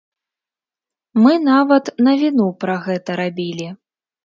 Мы нават навіну пра гэта рабілі.